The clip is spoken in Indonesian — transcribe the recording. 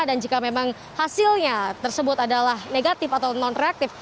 dan jika memang hasilnya tersebut adalah negatif atau non reaktif